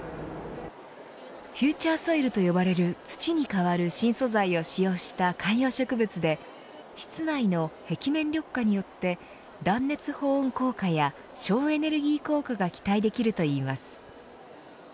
フューチャーソイルと呼ばれる、土に代わる新素材を使用した観葉植物で室内の壁面緑化によって断熱保温効果や省エネルギー効果が期待できるといいます。